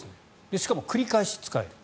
しかも繰り返し使える。